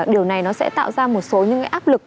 điều này nó sẽ tạo ra một số những cái áp lực